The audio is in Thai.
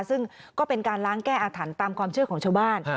ซึ่งก็เป็นการล้างแก้อาถรรพ์ตามความเชื่อของชาวบ้าน